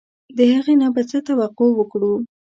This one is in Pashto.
د هغه نه به څه توقع وکړو.